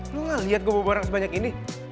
lu gak lihat gue bawa barang sebanyak ini